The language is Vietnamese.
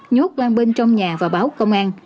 nhốt quang bên trong nhà và báo công an